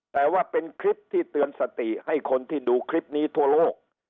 แต่ว่าเป็นคลิปที่เตือนสติให้คนที่ดูคลิปนี้ทั่วโลก